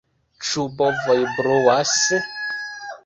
Ĉu bovoj bruas?